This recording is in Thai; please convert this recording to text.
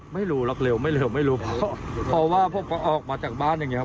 ไม่รู้หรอกเร็วไม่เร็วไม่รู้เพราะว่าผมก็ออกมาจากบ้านอย่างเงี้